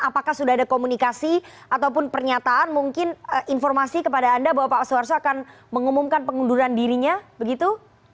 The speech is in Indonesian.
apakah sudah ada komunikasi ataupun pernyataan mungkin informasi kepada anda bahwa pak soeharso akan mengumumkan pengunduran dirinya begitu